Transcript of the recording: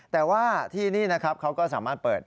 แต่ว่าที่นี่นะครับเขาก็สามารถเปิด